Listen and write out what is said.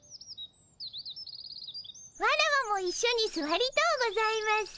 ワラワもいっしょにすわりとうございます。